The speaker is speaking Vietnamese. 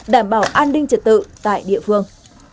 đảm bảo an ninh trật tự tại địa phương